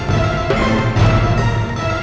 jangan lupa joko tingkir